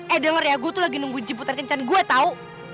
eh denger ya gue tuh lagi nunggu jemputan kencan gue tau